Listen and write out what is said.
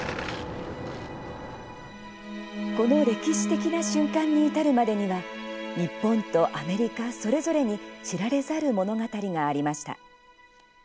この歴史的な瞬間に至るまでには日本とアメリカそれぞれに知られざる物語がありました。